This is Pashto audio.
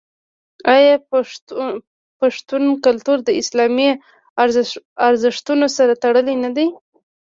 آیا پښتون کلتور د اسلامي ارزښتونو سره تړلی نه دی؟